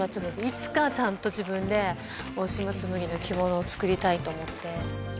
いつかちゃんと自分で大島紬の着物を作りたいと思って。